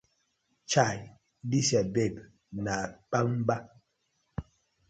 Chai dis yur babe na kpangba.